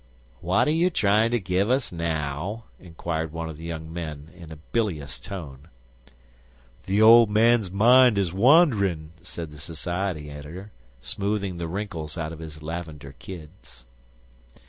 "What are you trying to give us now?" inquired one of the young men, in a bilious tone. "The old man's mind is wandering," said the society editor, smoothing the wrinkles out of his lavender kids.